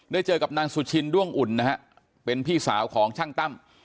เจอกับนางสุชินด้วงอุ่นนะฮะเป็นพี่สาวของช่างตั้ม